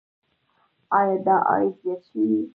آیا دا عاید زیات شوی؟